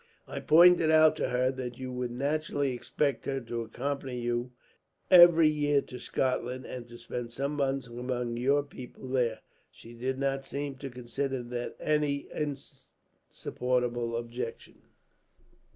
"I pointed out to her that you would naturally expect her to accompany you every year to Scotland, and to spend some months among your people there. She did not seem to consider that any insupportable objection.